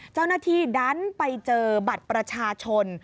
เจ้าหน้าที่ดันไปเจอบัตรประชาชน